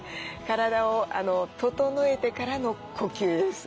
体を整えてからの呼吸です。